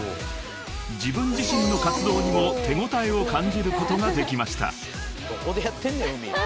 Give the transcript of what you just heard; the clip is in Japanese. ［自分自身の活動にも手応えを感じることができました］